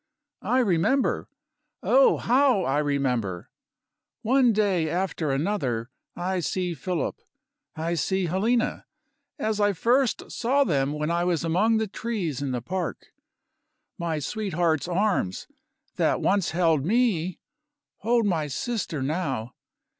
I remember! oh, how I remember! One day after another I see Philip, I see Helena, as I first saw them when I was among the trees in the park. My sweetheart's arms, that once held me, hold my sister now.